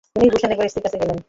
ফণিভূষণ একবার স্ত্রীর কাছে গেল।